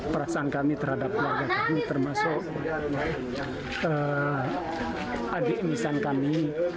perasaan kami terhadap keluarga kami termasuk adik nisan kami